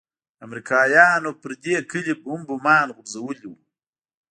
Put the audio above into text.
امريکايانو پر دې کلي هم بمان غورځولي وو.